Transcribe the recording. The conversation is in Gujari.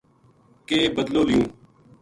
کے بَدلو لیوں